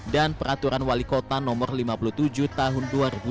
dan peraturan wali kota no lima puluh tujuh tahun dua ribu dua puluh satu